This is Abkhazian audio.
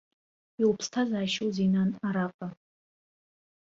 Иуԥсҭазаашьоузеи, нан, араҟа?